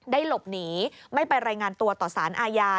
หลบหนีไม่ไปรายงานตัวต่อสารอาญา